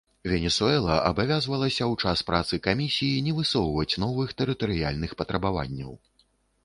Венесуэла абавязвалася ў час працы камісіі не высоўваць новых тэрытарыяльных патрабаванняў.